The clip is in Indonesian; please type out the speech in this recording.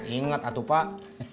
ingat atuh pak